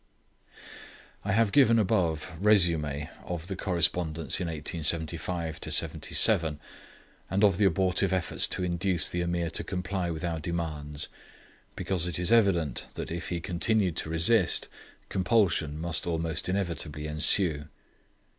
I have given the above resume of the correspondence in 1875 77, and of the abortive efforts to induce the Ameer to comply with our demands, because it is evident that if he continued to resist compulsion must almost inevitably ensue.